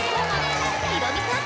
ヒロミさん